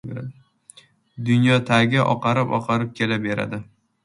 Dunyo tagi oqarib-oqarib kelaberadi.